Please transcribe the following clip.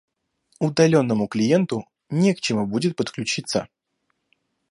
Удаленному клиенту не к чему будет подключиться